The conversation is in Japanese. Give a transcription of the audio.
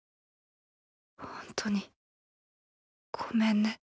本当にごめんね